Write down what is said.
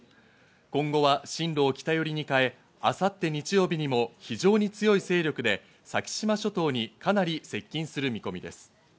今後は進路を北寄りに変え、明後日日曜日にも非常に強い勢力で先島諸島にかなり接近する見込みです。